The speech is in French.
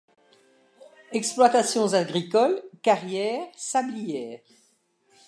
Exploitations agricoles, carrières, sablières.